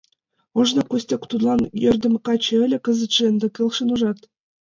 Ожно Костя тудлан йӧрдымӧ каче ыле, кызыт ынде келшен, ужат?..